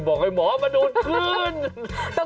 โอ้ยโบราณเบนที่หมอมันดูดคืน